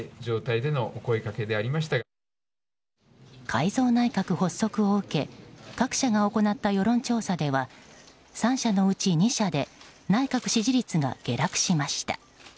改造内閣発足を受け各社が行った世論調査では３社のうち２社で内閣支持率が下落しました。